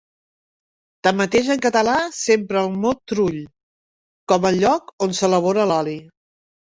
Tanmateix en català s'empra el mot trull, com el lloc on s'elabora oli.